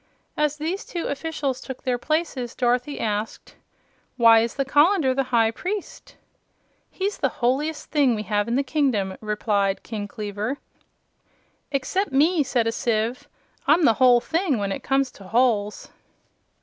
As these two officials took their places, Dorothy asked: "Why is the colander the High Priest?" "He's the holiest thing we have in the kingdom," replied King Kleaver. "Except me," said a sieve. "I'm the whole thing when it comes to holes."